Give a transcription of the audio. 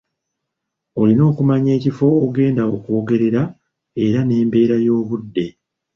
Olina okumanya ekifo w'ogenda okwogerera era n'embeera y'obudde.